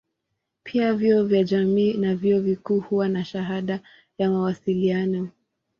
Pia vyuo vya jamii na vyuo vikuu huwa na shahada ya mawasiliano.